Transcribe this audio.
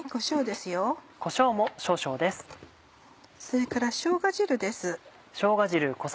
それからしょうが汁です。